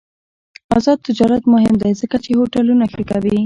آزاد تجارت مهم دی ځکه چې هوټلونه ښه کوي.